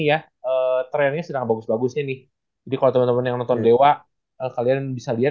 ada plus minus ya